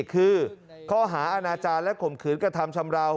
คือข้อหาอาณาจารย์และข่มขืนกระทำชำราว